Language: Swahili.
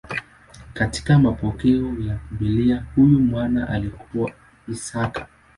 Katika mapokeo ya Biblia huyu mwana alikuwa Isaka.